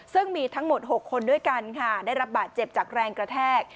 ซึ่งมีทั้งหมด๖คนด้วยกันค่ะได้รับบาดเจ็บจากแรงกระแทก